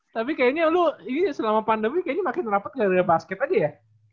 tapi kayaknya lo ini selama pandemi kayaknya makin rapet dari basket aja ya